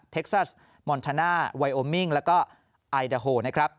เท็กซัสมอนชาน่าไวโอมิ่งแล้วก็ไอดาโฮนะครับ